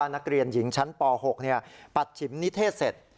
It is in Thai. นักเรียนหญิงชั้นป๖ปัดฉิมนิเทศเสร็จ